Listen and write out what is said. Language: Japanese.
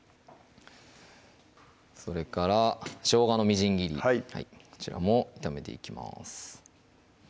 それからしょうがのみじん切りこちらも炒めていきます